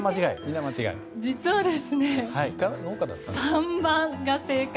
実は、３番が正解。